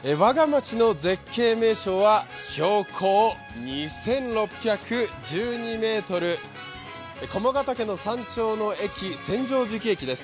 我がまちの絶景名所は標高２６１２ｍ、駒ヶ岳の山頂の駅、千畳敷駅です。